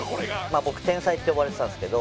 まあ僕天才って呼ばれてたんですけど。